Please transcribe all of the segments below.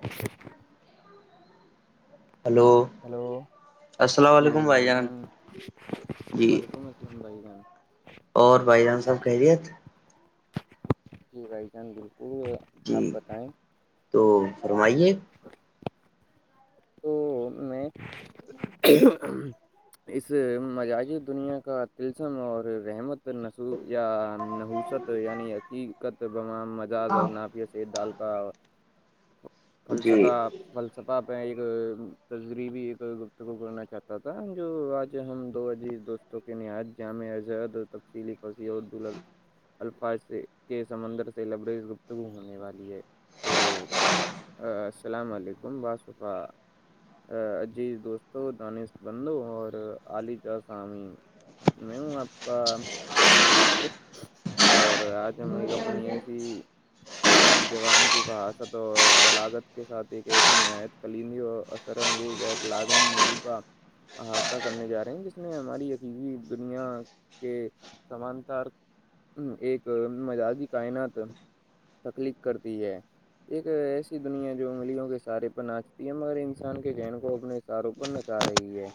hello hello hello جی بھائی جان جی وعلیکم السلام بھائی جان اور بھائی جان ساب کہہرییت جی بھائی جان بالکل جی آپ بتائیں تو فرمائیے تو میں اس مزاجی دنیا کا تلسم اور رحمت نس یا فص یعنی حقیقت بمام مزج اور نافیات سے ڈال کا جی فلسفا فلسفہ پہ ایک تجریبی ایک گپت کو کرنا چاہتا تھا جو آج ہم دو عزیز دوست کحات جامے از اور تفصیلی پھسی اور دلہ الفاظ کے سمندر سے لبریز گفتگو ہونے والی ہے تو السلام علیکم واسفا عزیز دوستوں دانش بندو اور عال جا سامعین میں ہوں آپ کا پر متر اور آج جموں کی کمپنی ایسی اپنی جوان کی فہاستت اور بلاگت کے ساتھ ایک ایسی نہایت ک اثر انگیز اور لالو ملو کا احاطہ کرنے جا رہے ہیں جس نے ہماری عقییدی دنیا کے سمانتر ایک مزاجی کائنات تخلیق کرتی ہے ایک ایسی دنیا جو انگلیوں کے سہارے پر ناچ پیم ہر انسان کے جہن کو اپنے اشاروں پر نچا رہی ہے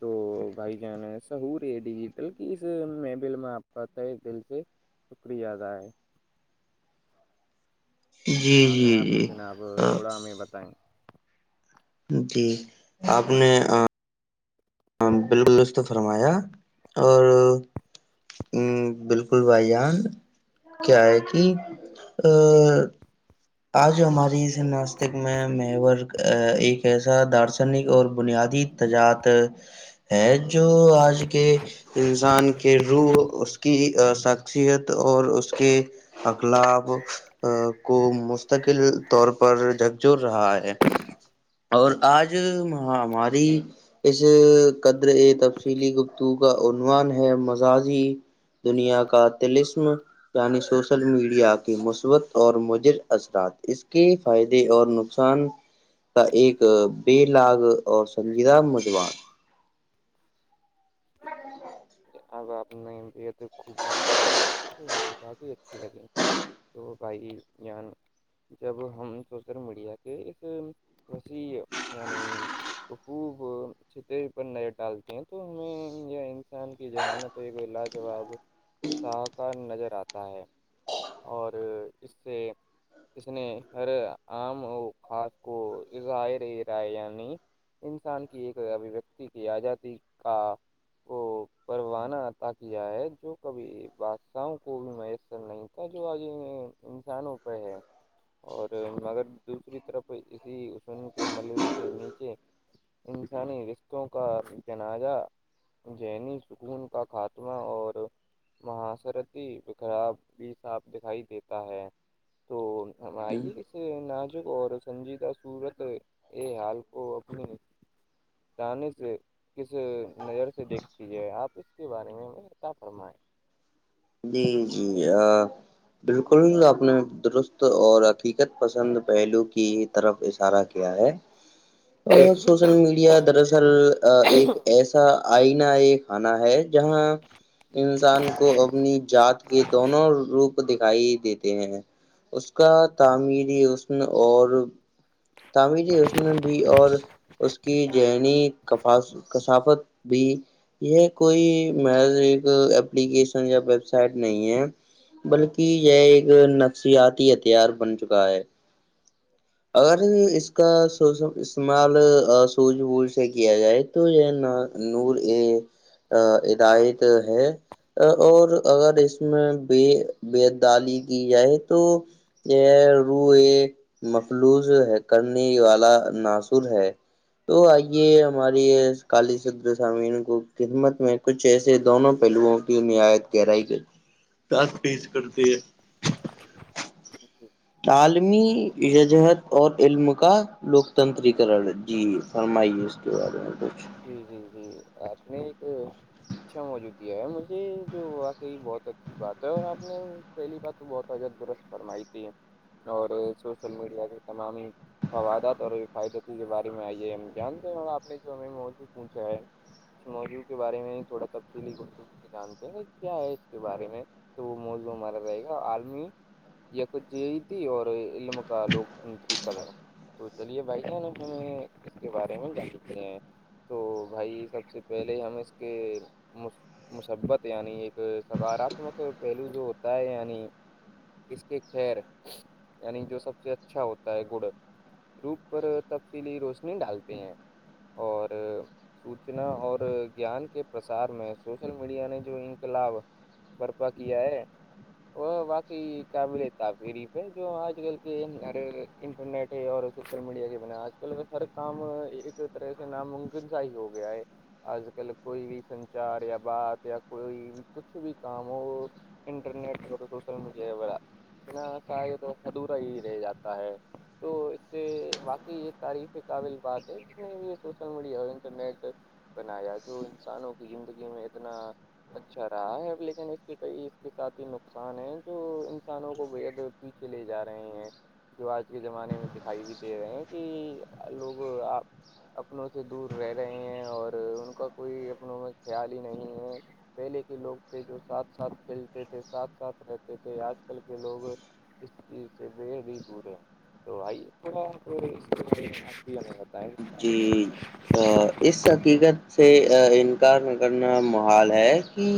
تو بھائی جان ایساہور ہے ڈیجیٹل کی اس مبل میں آپ کوتا ہے دل سے شکریہذائع جی ہئ گے آپ کو جی جی جناب تھوڑا ہمیں بتائیں جی آپ نے ہاں بالکلستط فرمایا اور بالکل بھائی جان کیا ہے کہ آج ہماری اس ناسستک میں میور ایک ایسا دارشنک اور بنیادی تجات ہے جو آج کے انسان کے روح اس کی شخصیت اور اس کے اگلاب اکو مستقل طور پر جھکجور رہا ہے اور آج مہ ہماری اس قدر تفصیلی گپتو کا عنوان ہے مزاجی دنیا کا تلسم یعنی سوشل میڈیا کی مثبت اور مجر اثرات اس کے فائدے اور نقصان کا ایک بے لگ اور سنجیدہ مجوان ہاں اب آپ نے بےیدخوب بات کہی ہے تو میری بات ہی اچھی لگی تو بھائی ان جب ہم سوشل میڈیا کے اس وسیع یعنی خوب چتری پر نظر ڈالتے ہیں تو ہمیں انسان جہانت تو ایک لاجواب شاہ کا نظر آتا ہے اور اس سے اس نے ہر آم اور کاد کو رائے یعنی انسان کی ایک ابویکتی کی آزادی کا وہ پروانہ عطا کیا ہے جو کبھی بادشاہوں کو بھی میسر نہیں تھا جو آگے انسان اوپر ہے اور مگر دوسری طرف اسی ان کے ملبے کے نیچے انسانی رشوں کا جنازہ ذہنیی سکون کا خاتمہ اور مہاسرتی ہی خراب بھی صاف دکھائی دیتا ہے تو ہم آئیے کس ناجک اور سنجید سورت ا حال کو اپنی ان سے کس نظر سے دیکھتی ہے یہ آپ اس کے بارے میں مت فرمائیں جی جی ہاں بالکل اپپنے درست اور حقیقت پسند پہلو کی طرف اشارہ کیا ہے [inaudible] اور سوشل میڈیا دراصل ایک ایسا آئین ایک آناا ہے ہے جہاں انسان کو اپنی جات کے دونوں روپ دکھائی دیتے ہیں اس کا تعمیری اسن اور تعمری اس نے بھی اور اس کی ذہنی کا کثافت بھی یہ کوئی مض ایک اپلیکیشن یا ویب سائٹ نہیں ہے بلکہ یہ ایک نفسیاتی ہتھیار بن چکا ہے اگر اس کا سو استعمال سج بج سے کیا جائے تو یہ نور ا ہدایت ہے اور اگر اس میں بے بےدالی کی جائے تو یہ روح مفلوظ کرنے والا ناصر ہے تو آئیے ہماری کال ش سامین کو خدمت میں کچھ ایسے دونوں پہلوؤں کی نہعایت گہرائی کےات پیش کرتے اچ عالمی ججہت اور علم کا لوکتنتری جی فرمائیے اس کے بارے میں کچھ جی جی جی آپ نے ایک اچھا موجود ہے مجھے جو واقعی بہت اچا اچھی بات ہے اور آپ نے پہلی بات تو بہت عجر درست فرمائی تھی اور سوشل میڈیا کے تمام ہی فوادات اور فائدتی کے بارے میں آئیے ہم جانتے ہیں آنے جو م س ہے اس موضوع کے بارے میں ہی تھوڑا تفصیلی کرتے ہیں سے جانتے ہیں کہ کیا ہے اس کے بارے میں تو وہ موضوع ہمارا رہے گا عالمی یکجیتی اور علم کا لوکتنتر کلر تو چلیے بھائی جانب ہمیں اس کے بارے میں جان سکتے ہیں تو بھائی سب سے پہلے ہم اس کے محبت یعنی ایک سکاراتمک پہلو جو ہوتا ہے یعنی اس کے خیر یعنی جو سب سے اچھا ہوتا ہے گڑ روپ پر تفصیلی روشنی ڈالتے ہیں اور سوچنا اور گیان کے پرسار میں سوشل میڈیا نے جو ان کے لابھ برپا کیا ہے وہ باقی قابل پری پہ جو آج کل کے انٹرنیٹ اور سوشل میڈیا کے بنا آج کل ا ہر کام ایک طرح سے ناممکن س ہی ہو گیا ہے آج کل کوئی بھی سنچار یا بات یا کوئی بھی کچھ بھی کام ہو انٹرنیٹ سوشل میڈیا وغیرہ انا س تو ادھورا ہی رہ جاتا ہے تو اس سے باقی یہ تعریف قابل بات ہے میں بھی یہ سوچ میڈیا اور انٹرنیٹ بنایا جو انسانوں کی زندگی میں اتنا اچھا رہا ہے ا لیکن اس کے کئی اس کے ساتھ ہی نقصان ہے جو انسانوں کو بےحد پیچھے لے جا رہے ہیں جو آج کے زمانے میں دکھائی بھی دے رہے ہیں کہ لوگ آپ اپنوں سے دور رہ رہے ہیں اور ان کا کوئی اپنوں میں خیال ہی نہیں ہے پہلے کے لوگ تھے جو ساتھ ساتھ کھیلتے تھے ساتھ ساتھ رہتے تھے آج کل کے لوگ اس چیز سے بے ہی دور ہے تو بتائیں جی اس حقیقت سے انکار کرنا محال ہے کہ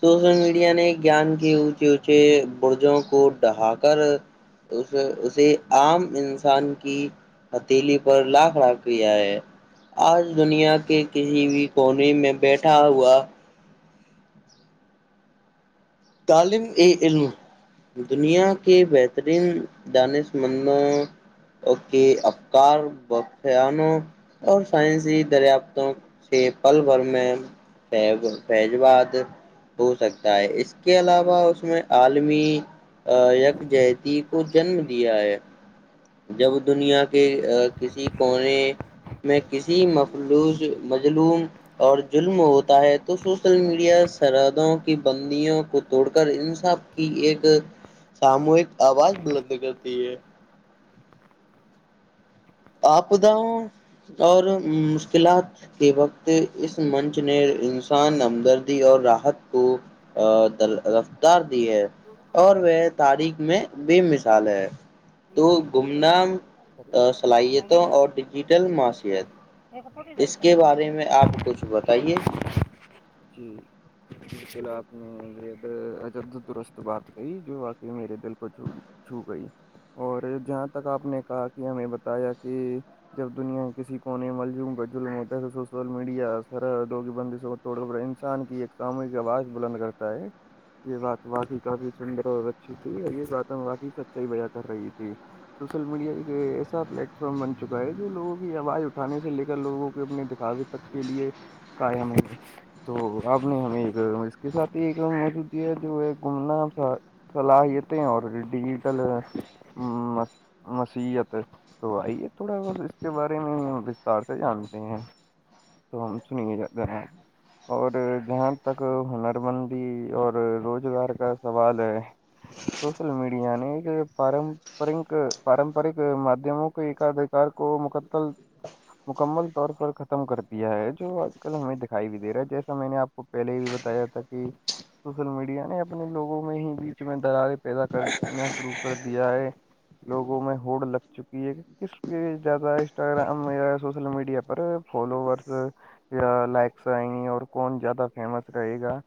سوشل میڈیا نے گیان کے اونچے اونچے برجوں کو ڈہا کر اسے عام انسان کی پتیلی پر لاکھ کیا ہے آج دنیا کے کسی بھی کونے میں بیٹھا ہوا تالم ا علم دنیا کے بہترین دانس مندوں تو کہ ابکار بان اور سائنسی دریافتوں سے پل بھر میں فیضواد ہو سکتا ہے اس اس کے علاوہ اس میں عالمی یکجہتی کو جنم دیا ہے جب دنیا کے کسی کونے میں کسی ملو مظلوم اور ظلم ہوتا ہے تو سوشل میڈیا سرحدوں کی بندیوں کو توڑ کر انساف کی ایک ساموہک آواز بلند کرتی ہے آپ اس خداؤ اور مشکلات کے وقت اس منچ نے انسان ہمدردی اور راحت کو ا د اتار دی ہے اور وہ تاریخ میں بے مثال ہے تو گمنا صلاحیتوں اور ڈیجیٹل بارے میں معاشت اس کے بارے میں آپ کچھ بتائیے جی جی چل آپ نے بےد عجد درست بات کہی جو آاقی میرے دل کو چھوڑ لیا چھو گئی اور جہاں تک آپ نے کہا کہ ہمیں بتایا کہ جب دنیا کسی کونے ملجوم پر جظلم ہوتا ہے تو سوشل میڈیا سرحگ بند س ہو توڑا انسان کی ایک ساموہک آواز بلند کرتا ہے یہ بات واقعی کافی سندر اور اچھی تھی اور یہ بات ہم واقی سچائی وجہ کر رہی تھی سوشل میڈیا ایک ایسا پلیٹ فارم بن چکا ہے جو لوگوں کی آواز اٹھانے سے لے کر لوگوں کو اپنے دکھاوے تب کے لیے قائم ہے تو آپ نے ہمیں ایک اس کے ساتھ ہی ایک ر موجود دیا ہے جو ہے گومنا صلاحیتیں اور ڈیجیٹل مسیحت تو آئیے تھوڑا بت اس کے بارے میں ہم وستار سے جانتے ہیں تو ہم سنیے اور جہاں تک ہنر مندی اور روزگار کا سوال ہے سوشل میڈیا نے کہ پارمپرک پارمپرک مادھیموں کو ایکد کو مکمل طور پر ختم کرتے یا ہے جو آج کل ہمیں دکھائی بھی دے رہا ہے جیسا میں نے آپ کو پہے بھی بتایا تھا کہ سوشل میڈیا نے اپنے لوگوں میں ہی بیچ میں درارے پیدا کرنا شروع کر دیا ہے لوگوں میں ہوڑ لگ چکی ہے کس زیادہ انسٹاگرام سوشل میڈیا پر فالوورس لائکس آئیں گی اور کون زیادہ فیمس رہے گا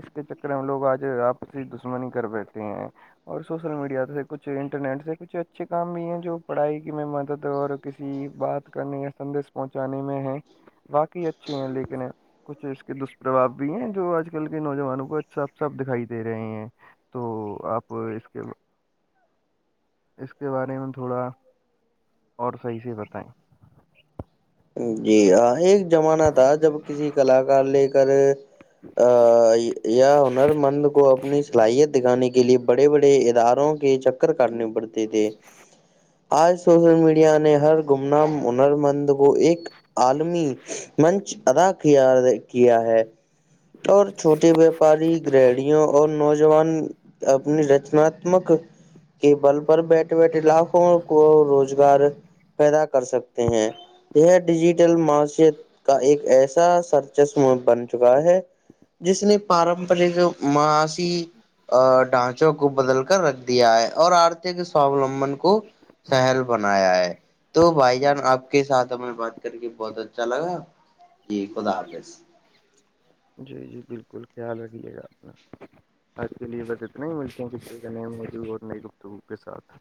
اس کے چکر میں لوگ آج آپسی دشمنی کر بیٹھے ہیں اور سوشل میڈیا سے کچھ انٹرنیٹ سے کچھ اچھے کام بھی ہیں جو پڑھائی کی میں مدد اور کسی بات کرنے یا سندیش پہنچانے میں ہے باقی اچھے ہیں لیکن کچھ اس کے دش پر بھاو بھی ہیں جو آج کل کے نوجوانوں کو صاف صاف دکھائی دے رہے ہیں تو آپ اس کے اس کے بارے میں تھوڑا اور صحیح سے بتائیں جی ہاں ایک زمانہ تھا جب کسی کلاکار لے کر یا ہنر مند کو اپنی صلاحیت سکھانے کے لیے بڑے بڑے اداروں کے چکر کرنے پڑتے تھے آج سوشل میڈیا نے ہر گمن ہنر مند کو ایک عالمی منچ ادا کیا کیا ہے اور چھوٹے ویاپاری گرڑیوں اور نوجوان اپنی رچناتمک کے بل پر بیٹھے بیٹھے لاکھوں کو روزگار پیدا کر سکتے ہیں یہ ڈیجیٹل معشت کا ایک ایسا سرچسم بن چکا ہے جس نے پارمپرک ماسی ڈھانچوں کو بدل کر رکھ دیا ہے اور آرت کے سواو للمبن کو شہل بنایا ہے تو بھائی جان آپ کے ساتھ ہمیں بات کر کے بہت اچھا لگا جی خدا حافظ جی جی بالکل خیال رکھیے گا اپنا آج کے لیے بس اتنے ہی ملتے ہیں ک کا نئے موور اور نئی گفتگو کے ساتھ